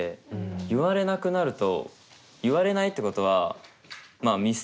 言われなくなると言われないってことは見捨てて。